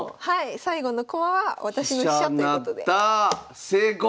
最後の駒は私の飛車ということで。